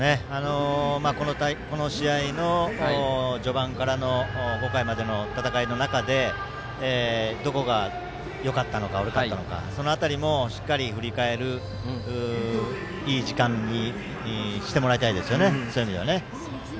この試合の序盤から５回までの戦いの中でどこがよかったのか悪かったのかその辺りもしっかり振り返るいい時間にしてもらいたいです。